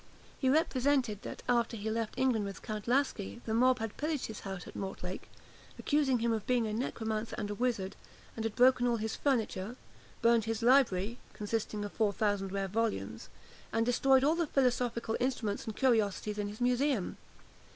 He represented that, after he left England with Count Laski, the mob had pillaged his house at Mortlake, accusing him of being a necromancer and a wizard; and had broken all his furniture, burned his library, consisting of four thousand rare volumes, and destroyed all the philosophical instruments and curiosities in his museum.